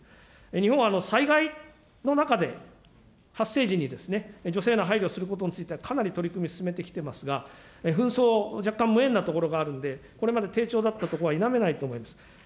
日本は災害の中で発生時に女性への配慮することについてはかなり取り組み進めてきていますが、紛争、若干無縁なところがあるんで、これまで低調だったことは否めないと思います。